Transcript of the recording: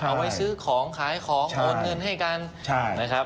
เอาไว้ซื้อของขายของโอนเงินให้กันนะครับ